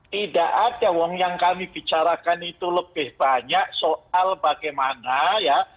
tidak ada wong yang kami bicarakan itu lebih banyak soal bagaimana ya